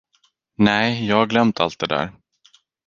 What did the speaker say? Nej, jag har glömt allt det där.